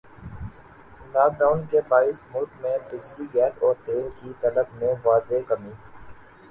lock Dawn کے باعث ملک میں بجلی گیس اور تیل کی طلب میں واضح کمی